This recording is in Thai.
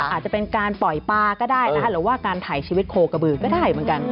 อาจจะเป็นการปล่อยปลาก็ได้นะคะหรือว่าการถ่ายชีวิตโคกระบือก็ได้เหมือนกัน